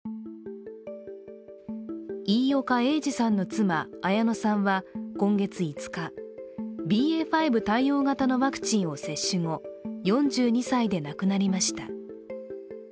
飯岡英治さんの妻・綾乃さんは今月５日ＢＡ．５対応型のワクチンを接種後、４２歳で亡くなりました。